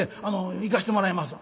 行かせてもらいますわ」。